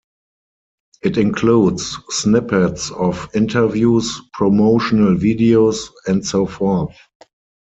It includes snippets of interviews, promotional videos, and so forth.